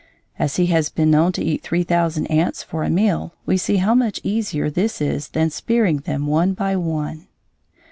As he has been known to eat three thousand ants for a meal, we see how much easier this is than spearing them one by one.